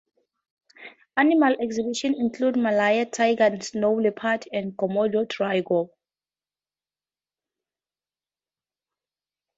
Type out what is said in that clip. Animals exhibiting include Malayan tigers, snow leopard and Komodo drago.